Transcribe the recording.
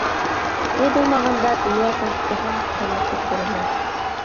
Сәй булмағанда дөйә сәнскеһен ҡайнатып бирәләр.